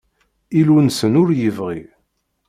Illu-nsen ur yebɣi.